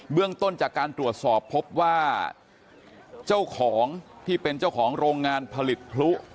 เรื่องต้นจากการตรวจสอบพบว่าเจ้าของที่เป็นเจ้าของโรงงานผลิตพลุ